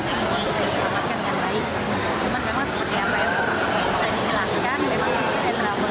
kita berlaku dengan lift kami